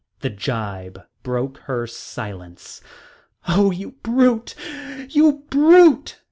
The gibe broke her silence. "Oh, you brute! You brute!"